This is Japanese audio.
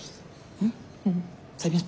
うん。